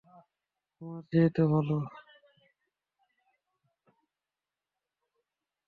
তোমার চেয়ে তো ভাল।